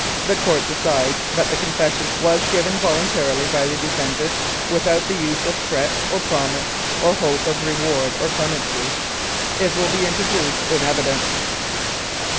The Court decides that the confession was given voluntarily by the defendant, without the use of threats or promise or hope of reward or clemency. It will be introduced in evidence.'